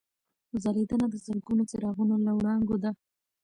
ځلېدنه د زرګونو څراغونو له وړانګو ده.